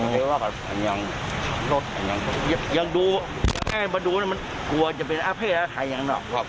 หรือได้ยิน